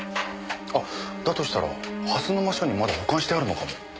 あっだとしたら蓮沼署にまだ保管してあるのかも。